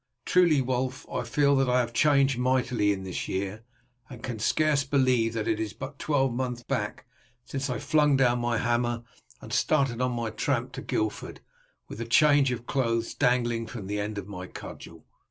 Truly, Wulf, I feel that I have changed mightily in this year, and can scarce believe that it is but a twelvemonth back since I flung down my hammer and started on my tramp to Guildford with a change of clothes dangling from the end of my cudgel.